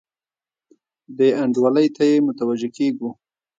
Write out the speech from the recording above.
بې انډولۍ ته یې متوجه کیږو.